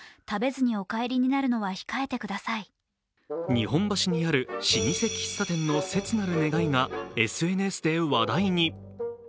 日本橋にある老舗喫茶店の切なる願いがＳＮＳで話題に。